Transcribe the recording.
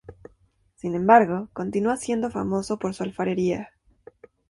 Sin embargo, continúa siendo famoso por su alfarería.